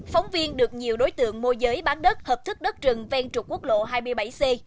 phóng viên được nhiều đối tượng mua giới bán đất hợp thức đất rừng ven trục quốc lộ hai mươi bảy c